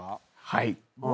はい。